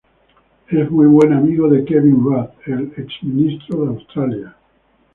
Es muy buen amigo de Kevin Rudd, el ex-ministro de Australia.